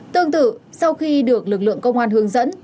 tương tự sau khi được lực lượng công an hướng dẫn